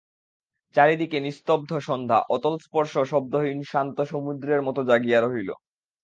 চারি দিকে নিস্তব্ধ সন্ধ্যা অতলস্পর্শ শব্দহীন শান্ত সমুদ্রের মতো জাগিয়া রহিল।